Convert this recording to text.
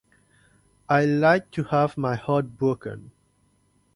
I like to have my heart broken.